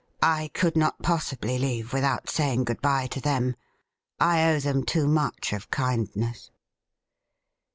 I could not possibly leave without saying good bye to them ; I owe them too much of kind ness.'